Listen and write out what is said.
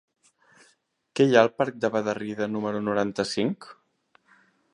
Què hi ha al parc de Bederrida número noranta-cinc?